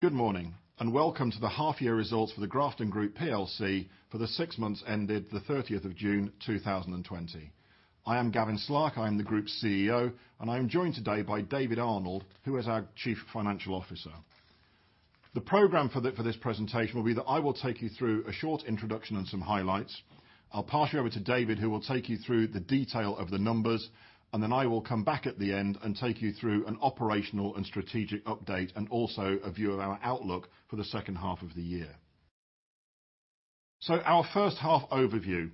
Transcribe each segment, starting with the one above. Good morning, welcome to the half year results for the Grafton Group plc for the six months ended the 30th of June 2020. I am Gavin Slark. I am the group CEO, and I am joined today by David Arnold, who is our chief financial officer. The program for this presentation will be that I will take you through a short introduction and some highlights. I'll pass you over to David, who will take you through the detail of the numbers, and then I will come back at the end and take you through an operational and strategic update and also a view of our outlook for the second half of the year. Our first half overview.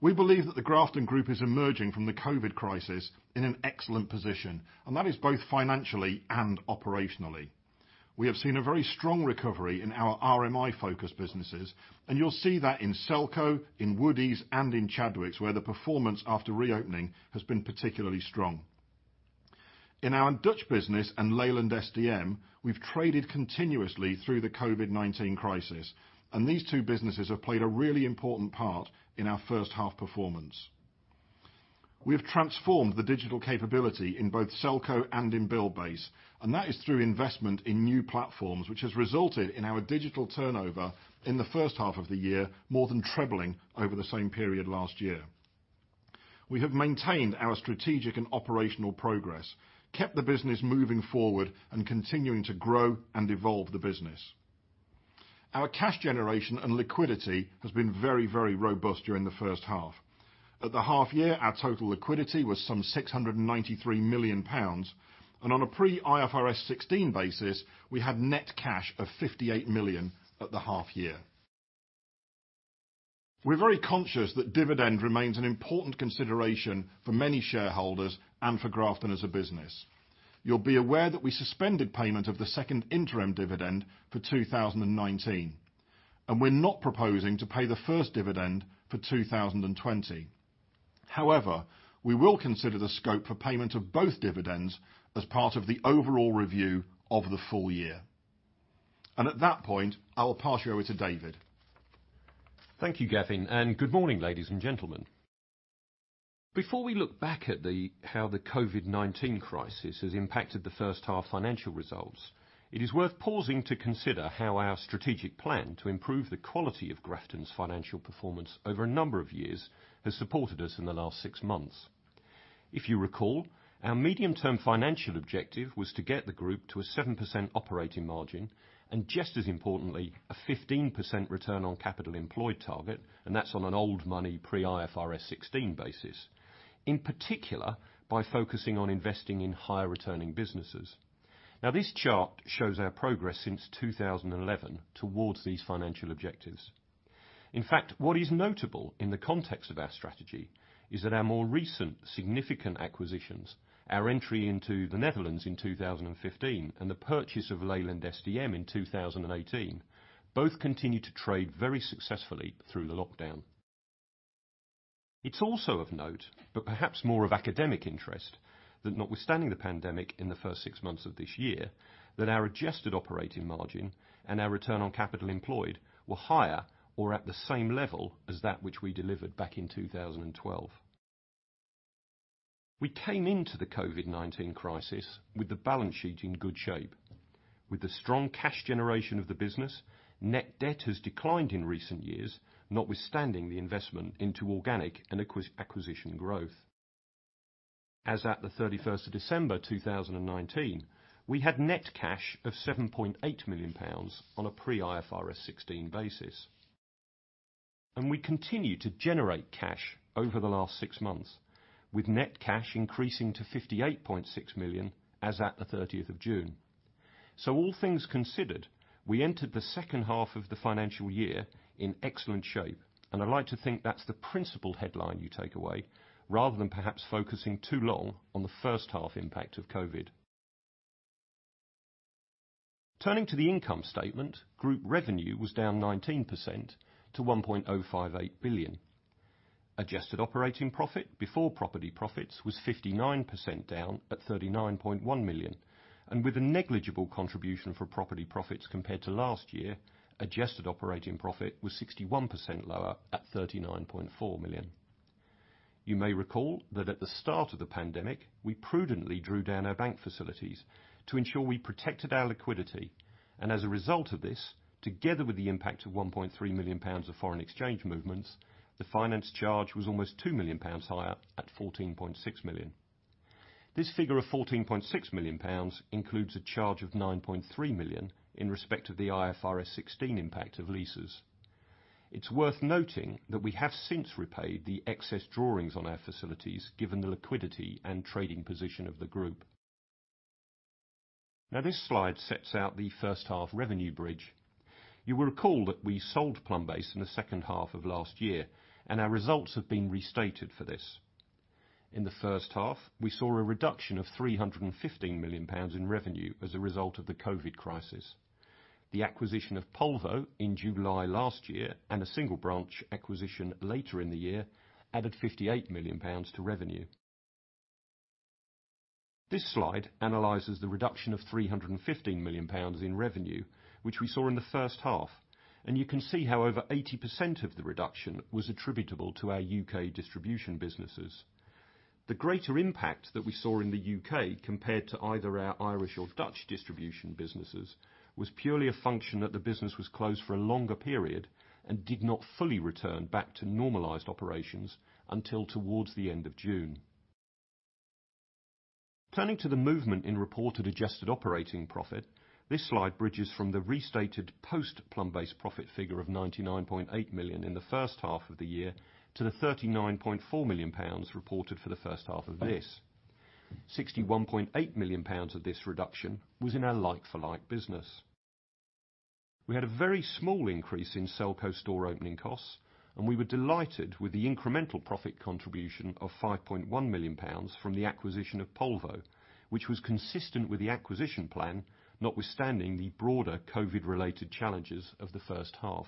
We believe that the Grafton Group is emerging from the COVID crisis in an excellent position, and that is both financially and operationally. We have seen a very strong recovery in our RMI-focused businesses, and you'll see that in Selco, in Woodie's and in Chadwicks, where the performance after reopening has been particularly strong. In our Dutch business and Leyland SDM, we've traded continuously through the COVID-19 crisis, and these two businesses have played a really important part in our first half performance. We have transformed the digital capability in both Selco and in Buildbase, and that is through investment in new platforms, which has resulted in our digital turnover in the first half of the year, more than trebling over the same period last year. We have maintained our strategic and operational progress, kept the business moving forward and continuing to grow and evolve the business. Our cash generation and liquidity has been very, very robust during the first half. At the half year, our total liquidity was some 693 million pounds. On a pre IFRS 16 basis, we had net cash of 58 million at the half year. We're very conscious that dividend remains an important consideration for many shareholders and for Grafton as a business. You'll be aware that we suspended payment of the second interim dividend for 2019. We're not proposing to pay the first dividend for 2020. However, we will consider the scope for payment of both dividends as part of the overall review of the full year. At that point, I will pass you over to David. Thank you, Gavin. Good morning, ladies and gentlemen. Before we look back at how the COVID-19 crisis has impacted the first half financial results, it is worth pausing to consider how our strategic plan to improve the quality of Grafton's financial performance over a number of years has supported us in the last six months. If you recall, our medium-term financial objective was to get the group to a 7% operating margin, and just as importantly, a 15% return on capital employed target, and that's on an old money pre IFRS 16 basis, in particular by focusing on investing in higher returning businesses. This chart shows our progress since 2011 towards these financial objectives. What is notable in the context of our strategy is that our more recent significant acquisitions, our entry into the Netherlands in 2015 and the purchase of Leyland SDM in 2018, both continued to trade very successfully through the lockdown. It's also of note, but perhaps more of academic interest, that notwithstanding the pandemic in the first six months of this year, that our adjusted operating margin and our return on capital employed were higher, or at the same level as that which we delivered back in 2012. We came into the COVID-19 crisis with the balance sheet in good shape. With the strong cash generation of the business, net debt has declined in recent years, notwithstanding the investment into organic and acquisition growth. As at the 31st of December 2019, we had net cash of 7.8 million pounds on a pre IFRS 16 basis. We continued to generate cash over the last six months, with net cash increasing to 58.6 million as at the 30th of June. All things considered, we entered the second half of the financial year in excellent shape, and I'd like to think that's the principal headline you take away, rather than perhaps focusing too long on the first half impact of COVID-19. Turning to the income statement, group revenue was down 19% to 1.058 billion. Adjusted operating profit before property profits was 59% down at 39.1 million. With a negligible contribution for property profits compared to last year, adjusted operating profit was 61% lower at 39.4 million. You may recall that at the start of the pandemic, we prudently drew down our bank facilities to ensure we protected our liquidity, and as a result of this, together with the impact of GBP 1.3 million of foreign exchange movements, the finance charge was almost GBP 2 million higher at GBP 14.6 million. This figure of 14.6 million pounds includes a charge of GBP 9.3 million in respect of the IFRS 16 impact of leases. It's worth noting that we have since repaid the excess drawings on our facilities, given the liquidity and trading position of the group. This slide sets out the first half revenue bridge. You will recall that we sold Plumbase in the second half of last year, and our results have been restated for this. In the first half, we saw a reduction of 315 million pounds in revenue as a result of the COVID crisis. The acquisition of Polvo in July last year and a single branch acquisition later in the year added 58 million pounds to revenue. This slide analyzes the reduction of 315 million pounds in revenue, which we saw in the first half. You can see how over 80% of the reduction was attributable to our U.K. distribution businesses. The greater impact that we saw in the U.K., compared to either our Irish or Dutch distribution businesses, was purely a function that the business was closed for a longer period and did not fully return back to normalized operations until towards the end of June. Turning to the movement in reported adjusted operating profit, this slide bridges from the restated post-Plumbase profit figure of 99.8 million in the first half of the year to the 39.4 million pounds reported for the first half of this. 61.8 million of this reduction was in our like-for-like business. We had a very small increase in Selco store opening costs, and we were delighted with the incremental profit contribution of 5.1 million pounds from the acquisition of Polvo, which was consistent with the acquisition plan, notwithstanding the broader COVID-related challenges of the first half.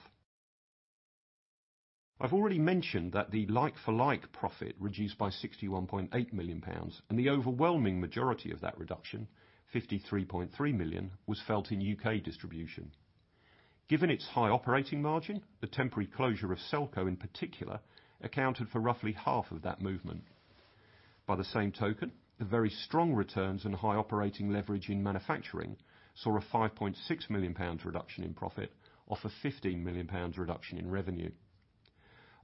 I've already mentioned that the like-for-like profit reduced by 61.8 million pounds, and the overwhelming majority of that reduction, 53.3 million, was felt in U.K. distribution. Given its high operating margin, the temporary closure of Selco in particular accounted for roughly half of that movement. By the same token, the very strong returns and high operating leverage in manufacturing saw a 5.6 million pounds reduction in profit off a 15 million pounds reduction in revenue.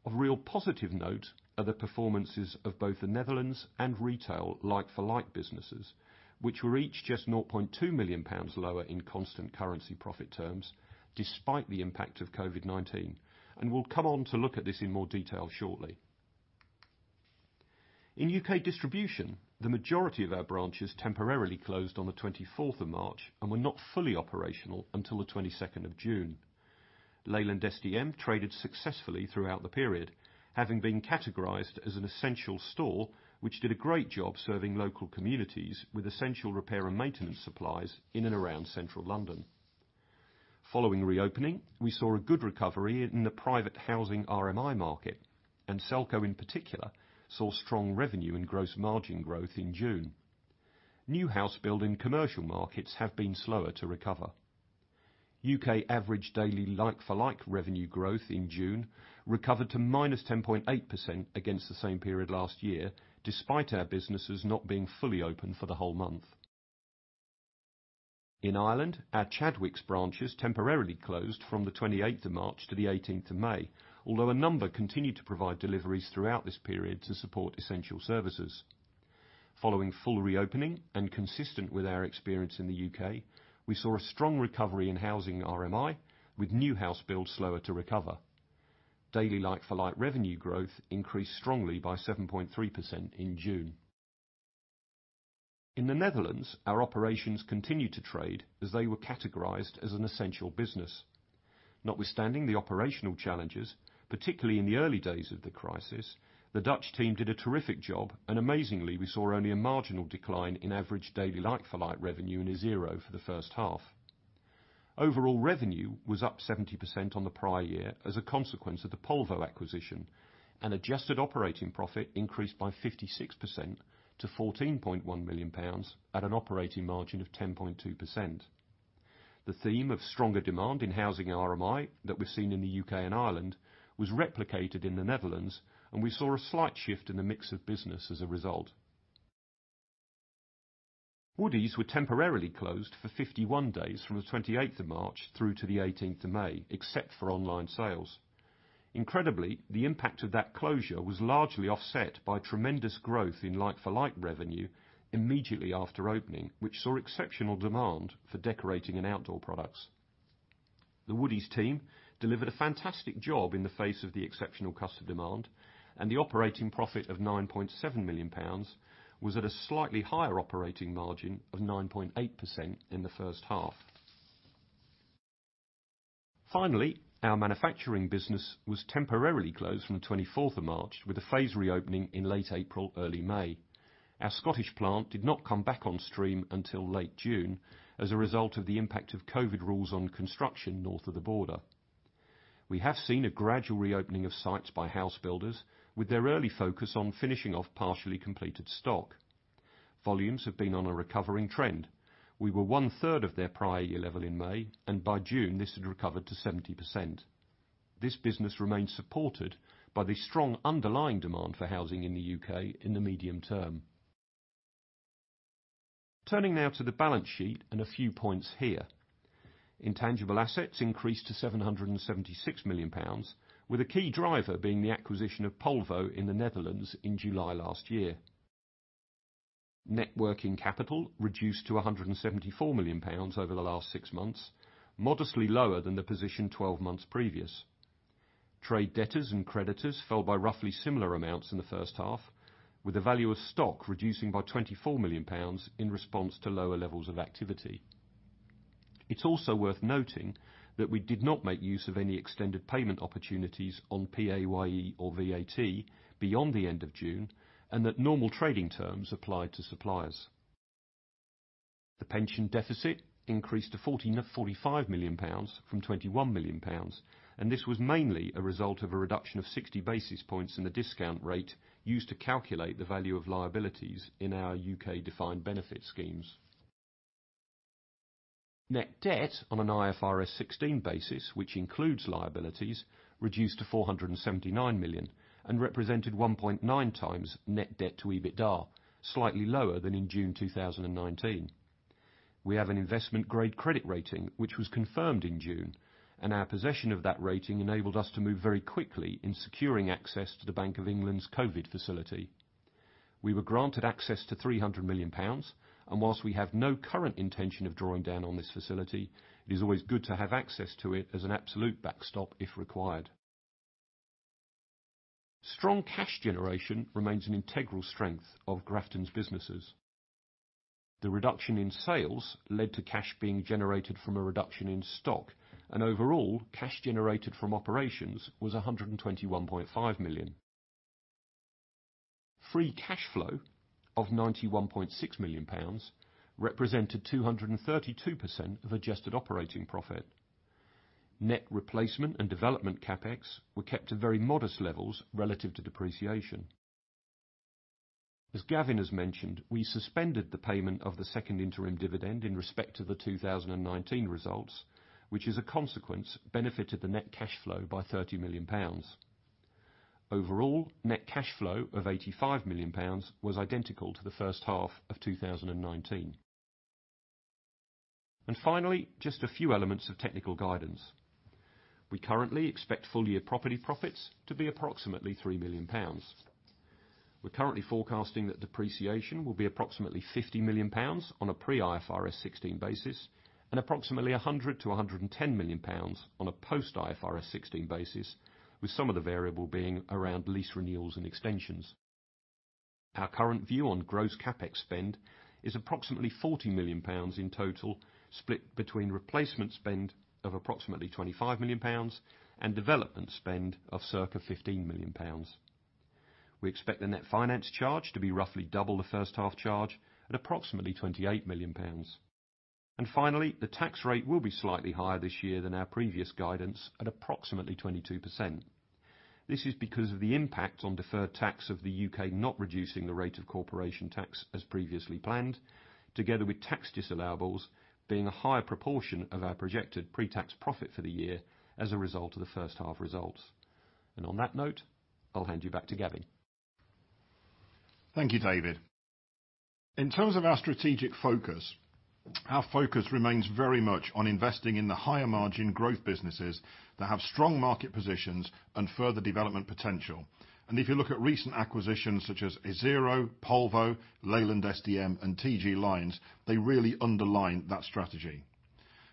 Of real positive note are the performances of both the Netherlands and retail like-for-like businesses, which were each just 0.2 million pounds lower in constant currency profit terms despite the impact of COVID-19. We'll come on to look at this in more detail shortly. In U.K. distribution, the majority of our branches temporarily closed on the 24th of March and were not fully operational until the 22nd of June. Leyland SDM traded successfully throughout the period, having been categorized as an essential store, which did a great job serving local communities with essential repair and maintenance supplies in and around Central London. Following reopening, we saw a good recovery in the private housing RMI market, and Selco in particular, saw strong revenue and gross margin growth in June. New house build in commercial markets have been slower to recover. U.K. average daily like-for-like revenue growth in June recovered to -10.8% against the same period last year, despite our businesses not being fully open for the whole month. In Ireland, our Chadwicks branches temporarily closed from the 28th of March to the 18th of May. Although a number continued to provide deliveries throughout this period to support essential services. Following full reopening and consistent with our experience in the U.K., we saw a strong recovery in housing RMI, with new house build slower to recover. Daily like-for-like revenue growth increased strongly by 7.3% in June. In the Netherlands, our operations continued to trade as they were categorized as an essential business. Notwithstanding the operational challenges, particularly in the early days of the crisis, the Dutch team did a terrific job, and amazingly, we saw only a marginal decline in average daily like-for-like revenue and Isero for the first half. Overall revenue was up 70% on the prior year as a consequence of the Polvo acquisition, and adjusted operating profit increased by 56% to 14.1 million pounds, at an operating margin of 10.2%. The theme of stronger demand in housing RMI that was seen in the U.K. and Ireland was replicated in the Netherlands, and we saw a slight shift in the mix of business as a result. Woodie's were temporarily closed for 51 days from the 28th of March through to the 18th of May, except for online sales. Incredibly, the impact of that closure was largely offset by tremendous growth in like-for-like revenue immediately after opening, which saw exceptional demand for decorating and outdoor products. The Woodie's team delivered a fantastic job in the face of the exceptional customer demand, and the operating profit of 9.7 million pounds was at a slightly higher operating margin of 9.8% in the first half. Finally, our manufacturing business was temporarily closed from the 24th of March with a phased reopening in late April, early May. Our Scottish plant did not come back on stream until late June as a result of the impact of COVID rules on construction north of the border. Volumes have been on a recovering trend. We were one-third of their prior year level in May, and by June, this had recovered to 70%. This business remains supported by the strong underlying demand for housing in the U.K. in the medium term. Turning now to the balance sheet and a few points here. Intangible assets increased to 776 million pounds, with a key driver being the acquisition of Polvo in the Netherlands in July last year. Net working capital reduced to 174 million pounds over the last six months, modestly lower than the position 12 months previous. Trade debtors and creditors fell by roughly similar amounts in the first half, with the value of stock reducing by 24 million pounds in response to lower levels of activity. It is also worth noting that we did not make use of any extended payment opportunities on PAYE or VAT beyond the end of June. That normal trading terms applied to suppliers. The pension deficit increased to 45 million pounds from 21 million pounds, and this was mainly a result of a reduction of 60 basis points in the discount rate used to calculate the value of liabilities in our U.K. defined benefit schemes. Net debt on an IFRS 16 basis, which includes liabilities, reduced to 479 million and represented 1.9x net debt to EBITDA, slightly lower than in June 2019. We have an investment-grade credit rating, which was confirmed in June, and our possession of that rating enabled us to move very quickly in securing access to the Bank of England's COVID facility. We were granted access to 300 million pounds, and whilst we have no current intention of drawing down on this facility, it is always good to have access to it as an absolute backstop if required. Strong cash generation remains an integral strength of Grafton's businesses. The reduction in sales led to cash being generated from a reduction in stock, and overall, cash generated from operations was 121.5 million. Free cash flow of 91.6 million pounds represented 232% of adjusted operating profit. Net replacement and development CapEx were kept at very modest levels relative to depreciation. As Gavin has mentioned, we suspended the payment of the second interim dividend in respect of the 2019 results, which as a consequence benefited the net cash flow by 30 million pounds. Overall, net cash flow of 85 million pounds was identical to the first half of 2019. Finally, just a few elements of technical guidance. We currently expect full-year property profits to be approximately 3 million pounds. We're currently forecasting that depreciation will be approximately 50 million pounds on a pre IFRS 16 basis and approximately 100 million-110 million pounds on a post IFRS 16 basis, with some of the variable being around lease renewals and extensions. Our current view on gross CapEx spend is approximately 40 million pounds in total, split between replacement spend of approximately 25 million pounds and development spend of circa 15 million pounds. We expect the net finance charge to be roughly double the first half charge at approximately 28 million pounds. Finally, the tax rate will be slightly higher this year than our previous guidance at approximately 22%. This is because of the impact on deferred tax of the U.K. not reducing the rate of corporation tax as previously planned, together with tax disallowables being a higher proportion of our projected pre-tax profit for the year as a result of the first half results. On that note, I'll hand you back to Gavin. Thank you, David. In terms of our strategic focus, our focus remains very much on investing in the higher margin growth businesses that have strong market positions and further development potential. If you look at recent acquisitions such as Isero, Polvo, Leyland SDM, and TG Lynes, they really underline that strategy.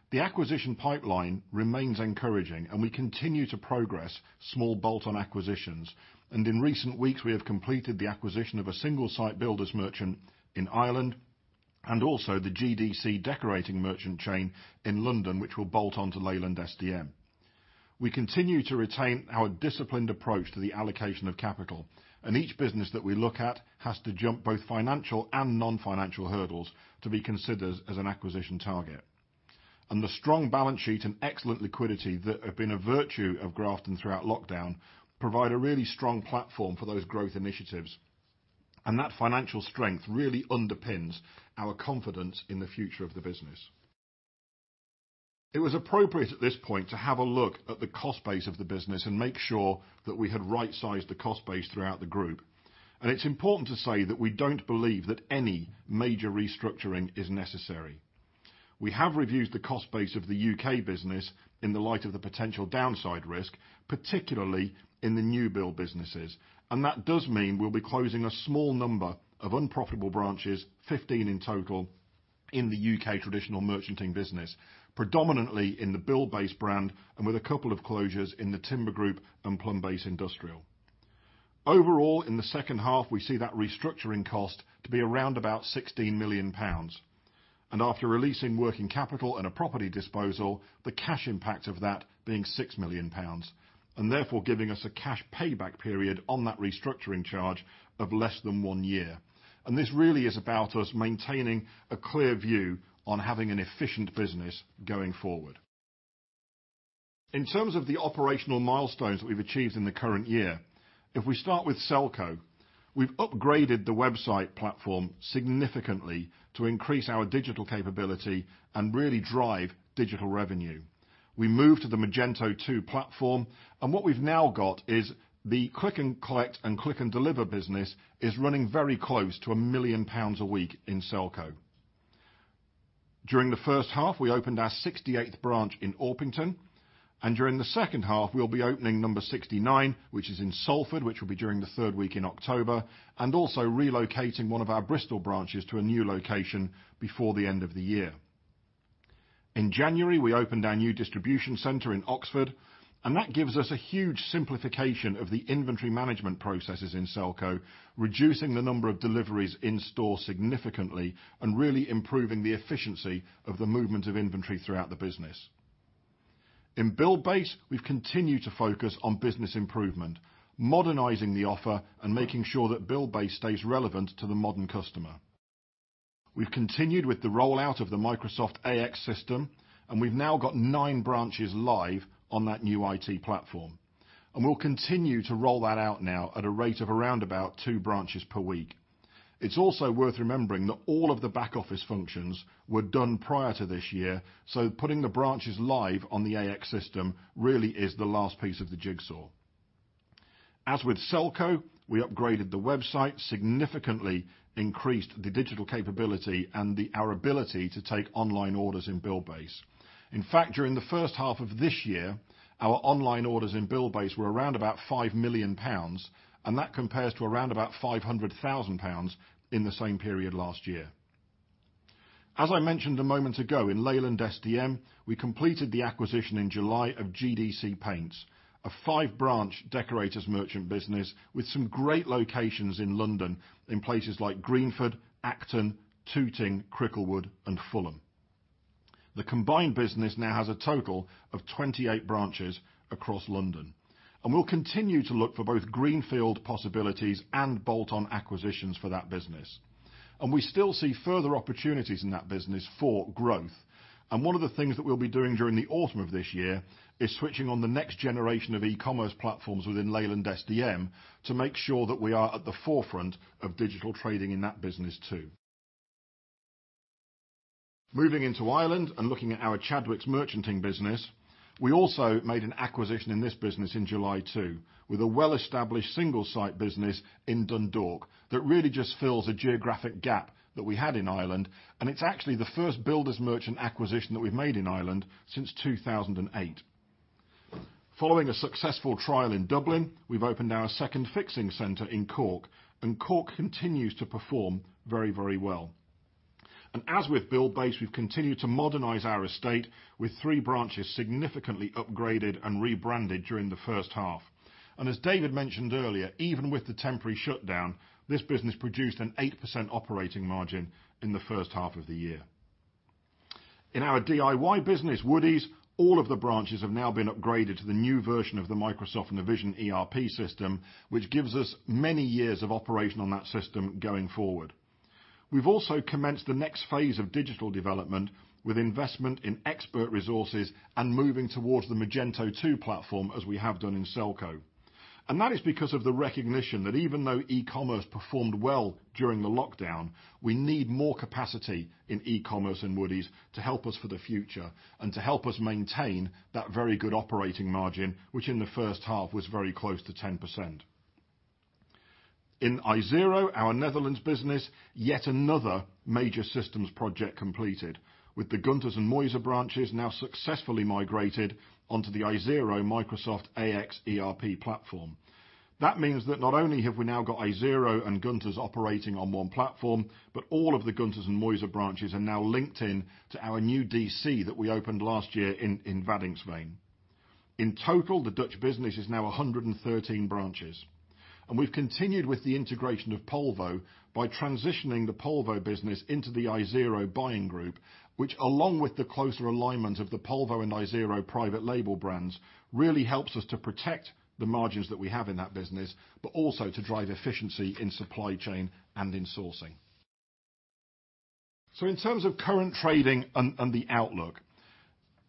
The acquisition pipeline remains encouraging, and we continue to progress small bolt-on acquisitions. In recent weeks, we have completed the acquisition of a single-site builders merchant in Ireland and also the GDC decorating merchant chain in London, which will bolt onto Leyland SDM. We continue to retain our disciplined approach to the allocation of capital, and each business that we look at has to jump both financial and non-financial hurdles to be considered as an acquisition target. The strong balance sheet and excellent liquidity that have been a virtue of Grafton throughout lockdown provide a really strong platform for those growth initiatives. That financial strength really underpins our confidence in the future of the business. It was appropriate at this point to have a look at the cost base of the business and make sure that we had right-sized the cost base throughout the group. It's important to say that we don't believe that any major restructuring is necessary. We have reviewed the cost base of the U.K. business in the light of the potential downside risk, particularly in the new build businesses. That does mean we'll be closing a small number of unprofitable branches, 15 in total, in the U.K. traditional merchanting business, predominantly in the Buildbase brand and with a couple of closures in The Timber Group and Plumbase Industrial. Overall, in the second half, we see that restructuring cost to be around about 16 million pounds. After releasing working capital and a property disposal, the cash impact of that being 6 million pounds, and therefore giving us a cash payback period on that restructuring charge of less than one year. This really is about us maintaining a clear view on having an efficient business going forward. In terms of the operational milestones that we've achieved in the current year, if we start with Selco, we've upgraded the website platform significantly to increase our digital capability and really drive digital revenue. We moved to the Magento 2 platform, and what we've now got is the Click & Collect and Click & Deliver business is running very close to 1 million pounds a week in Selco. During the first half, we opened our 68th branch in Orpington, during the second half, we'll be opening number 69, which is in Salford, which will be during the third week in October, and also relocating one of our Bristol branches to a new location before the end of the year. In January, we opened our new distribution center in Oxford, that gives us a huge simplification of the inventory management processes in Selco, reducing the number of deliveries in store significantly and really improving the efficiency of the movement of inventory throughout the business. In Buildbase, we've continued to focus on business improvement, modernizing the offer and making sure that Buildbase stays relevant to the modern customer. We've continued with the rollout of the Microsoft AX system, we've now got nine branches live on that new IT platform. We'll continue to roll that out now at a rate of around about two branches per week. It's also worth remembering that all of the back office functions were done prior to this year, so putting the branches live on the AX system really is the last piece of the jigsaw. As with Selco, we upgraded the website, significantly increased the digital capability, and our ability to take online orders in Buildbase. In fact, during the first half of this year, our online orders in Buildbase were around about 5 million pounds, and that compares to around about 500,000 pounds in the same period last year. As I mentioned a moment ago, in Leyland SDM, we completed the acquisition in July of GDC Paints, a five-branch decorators merchant business with some great locations in London, in places like Greenford, Acton, Tooting, Cricklewood, and Fulham. The combined business now has a total of 28 branches across London. We'll continue to look for both greenfield possibilities and bolt-on acquisitions for that business. We still see further opportunities in that business for growth. One of the things that we'll be doing during the autumn of this year is switching on the next generation of e-commerce platforms within Leyland SDM to make sure that we are at the forefront of digital trading in that business, too. Moving into Ireland and looking at our Chadwicks Merchanting business, we also made an acquisition in this business in July too, with a well-established single-site business in Dundalk that really just fills a geographic gap that we had in Ireland, and it's actually the first builders merchant acquisition that we've made in Ireland since 2008. Following a successful trial in Dublin, we've opened our second fixing center in Cork, and Cork continues to perform very well. As with Buildbase, we've continued to modernize our estate, with three branches significantly upgraded and rebranded during the first half. As David mentioned earlier, even with the temporary shutdown, this business produced an 8% operating margin in the first half of the year. In our DIY business, Woodie's, all of the branches have now been upgraded to the new version of the Microsoft Navision ERP system, which gives us many years of operation on that system going forward. We've also commenced the next phase of digital development with investment in expert resources and moving towards the Magento 2 platform, as we have done in Selco. That is because of the recognition that even though e-commerce performed well during the lockdown, we need more capacity in e-commerce and Woodie's to help us for the future and to help us maintain that very good operating margin, which in the first half was very close to 10%. In Isero, our Netherlands business, yet another major systems project completed, with the Gunters en Meuser branches now successfully migrated onto the Isero Microsoft AX ERP platform. That means that not only have we now got Isero and Gunters operating on one platform, but all of the Gunters en Meuser branches are now linked in to our new DC that we opened last year in Waddinxveen. In total, the Dutch business is now 113 branches. We've continued with the integration of Polvo by transitioning the Polvo business into the Isero buying group, which along with the closer alignment of the Polvo and Isero private label brands, really helps us to protect the margins that we have in that business, also to drive efficiency in supply chain and in sourcing. In terms of current trading and the outlook,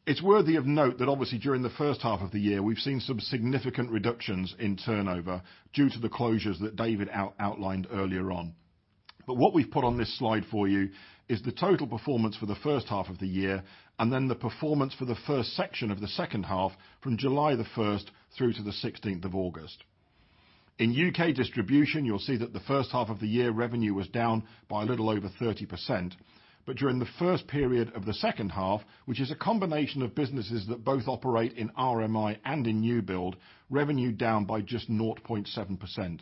it's worthy of note that obviously during the first half of the year, we've seen some significant reductions in turnover due to the closures that David outlined earlier on. What we've put on this slide for you is the total performance for the first half of the year, and then the performance for the first section of the second half from July the 1st through to the 16th of August. In U.K. distribution, you'll see that the first half of the year revenue was down by a little over 30%, but during the first period of the second half, which is a combination of businesses that both operate in RMI and in new build, revenue down by just 0.7%.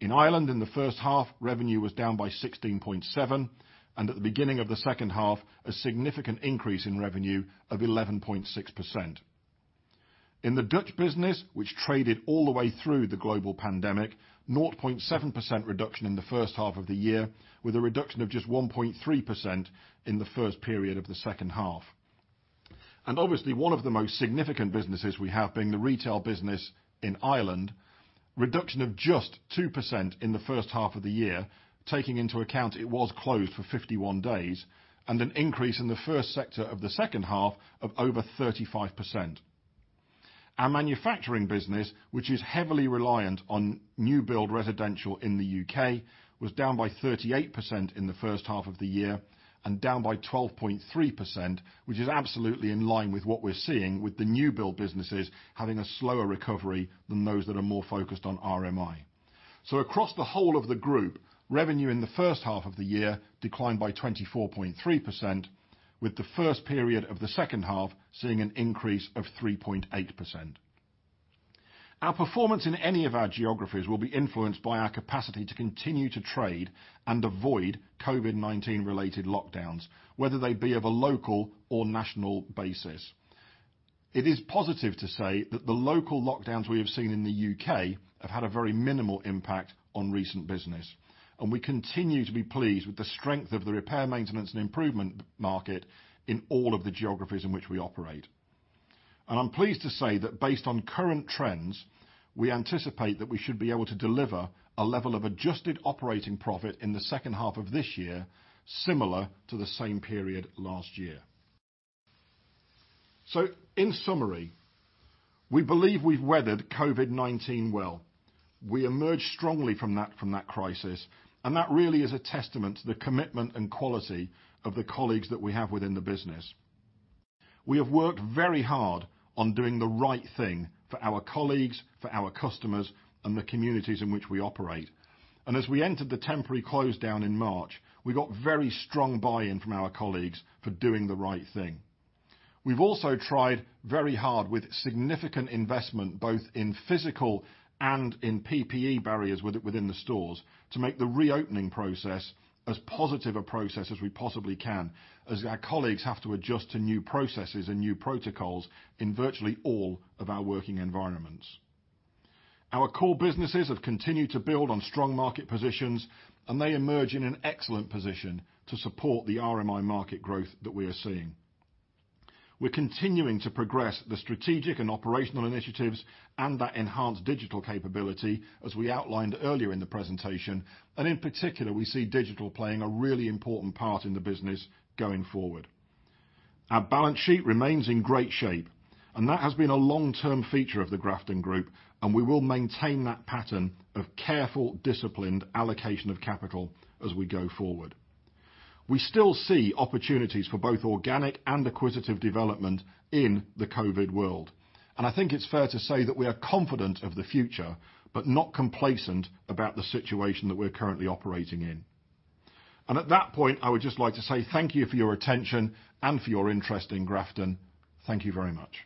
In Ireland in the first half, revenue was down by 16.7%, and at the beginning of the second half, a significant increase in revenue of 11.6%. In the Dutch business, which traded all the way through the global pandemic, 0.7% reduction in the first half of the year, with a reduction of just 1.3% in the first period of the second half. Obviously one of the most significant businesses we have, being the retail business in Ireland, reduction of just 2% in the first half of the year, taking into account it was closed for 51 days, and an increase in the first sector of the second half of over 35%. Our manufacturing business, which is heavily reliant on new build residential in the U.K., was down by 38% in the first half of the year and down by 12.3%, which is absolutely in line with what we're seeing with the new build businesses having a slower recovery than those that are more focused on RMI. Across the whole of the group, revenue in the first half of the year declined by 24.3%, with the first period of the second half seeing an increase of 3.8%. Our performance in any of our geographies will be influenced by our capacity to continue to trade and avoid COVID-19 related lockdowns, whether they be of a local or national basis. It is positive to say that the local lockdowns we have seen in the U.K. have had a very minimal impact on recent business. We continue to be pleased with the strength of the repair, maintenance, and improvement market in all of the geographies in which we operate. I'm pleased to say that based on current trends, we anticipate that we should be able to deliver a level of adjusted operating profit in the second half of this year, similar to the same period last year. In summary, we believe we've weathered COVID-19 well. We emerged strongly from that crisis, that really is a testament to the commitment and quality of the colleagues that we have within the business. We have worked very hard on doing the right thing for our colleagues, for our customers, and the communities in which we operate. As we entered the temporary close down in March, we got very strong buy-in from our colleagues for doing the right thing. We've also tried very hard with significant investment, both in physical and in PPE barriers within the stores, to make the reopening process as positive a process as we possibly can, as our colleagues have to adjust to new processes and new protocols in virtually all of our working environments. Our core businesses have continued to build on strong market positions, they emerge in an excellent position to support the RMI market growth that we are seeing. We're continuing to progress the strategic and operational initiatives and that enhanced digital capability, as we outlined earlier in the presentation. In particular, we see digital playing a really important part in the business going forward. Our balance sheet remains in great shape, and that has been a long-term feature of the Grafton Group, and we will maintain that pattern of careful, disciplined allocation of capital as we go forward. We still see opportunities for both organic and acquisitive development in the COVID world, and I think it's fair to say that we are confident of the future, but not complacent about the situation that we're currently operating in. At that point, I would just like to say thank you for your attention and for your interest in Grafton. Thank you very much.